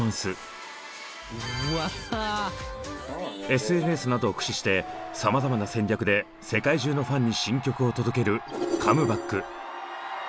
ＳＮＳなどを駆使して様々な戦略で世界中のファンに新曲を届けるカムバック。